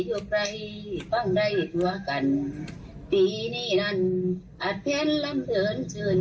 อยู่ใกล้ฟังได้ทัวร์กันปีนี้นั้นอาทิตย์ลำเติร์นเชิญ